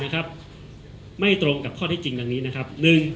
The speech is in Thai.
แก้ออกมาไม่ตรงกับข้อที่จริงที่นี้นะครับ